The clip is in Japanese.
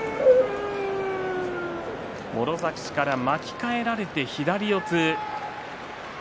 もろ差しから巻き替えられて左四つ。